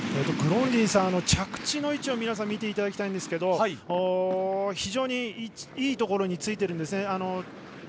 グロンディンさんの着地の位置を皆さん見ていただきたいんですがいいところについています。